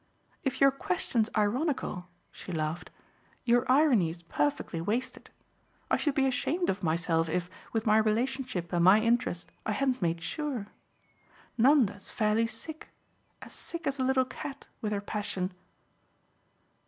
"If your question's ironical," she laughed, "your irony's perfectly wasted. I should be ashamed of myself if, with my relationship and my interest, I hadn't made sure. Nanda's fairly sick as sick as a little cat with her passion."